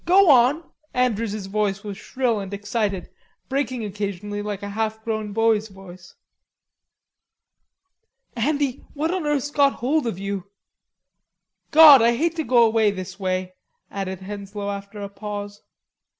go on." Andrews's voice was shrill and excited, breaking occasionally like a half grown boy's voice. "Andy, what on earth's got hold of you?... God, I hate to go away this way," added Henslowe after a pause.